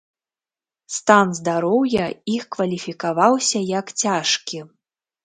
Стан здароўя іх кваліфікаваўся як цяжкі.